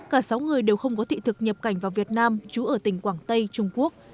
cả sáu người đều không có thị thực nhập cảnh vào việt nam trú ở tỉnh quảng tây trung quốc